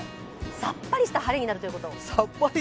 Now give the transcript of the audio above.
さっぱりした晴れになるということ。